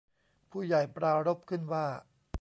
ผู้ใหญ่ปรารภขึ้นว่า